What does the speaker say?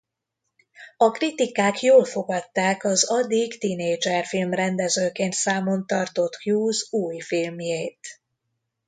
A kritikák jól fogadták az addig tinédzserfilm-rendezőként számon tartott Hughes új filmjét.